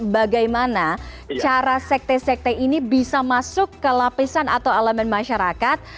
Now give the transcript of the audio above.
bagaimana cara sekte sekte ini bisa masuk ke lapisan atau elemen masyarakat